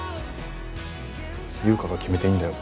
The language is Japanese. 優香が決めていいんだよ